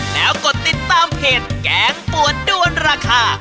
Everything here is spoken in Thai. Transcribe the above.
แล้วกดติดตามเพจแกงปวดด้วนราคา